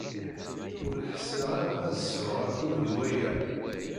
Ur ḥṣiɣ ara ad sɛuɣ akud i waya.